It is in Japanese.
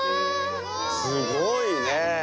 すごいね。